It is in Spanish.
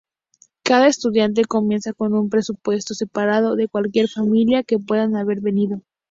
Cada estudiante comienza con un presupuesto separado de cualquier familia que puedan haber venido.